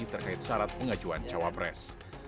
terkait syarat pengajuan cawapres